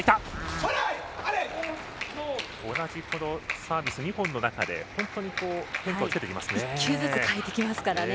サービス２本の中で変化をつけていきますね。